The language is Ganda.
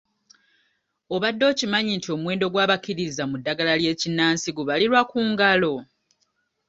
Obadde okimanyi nti omuwendo gw'abakkiririza mu ddagala ly'ekinnansi gubalirwa ku ngalo?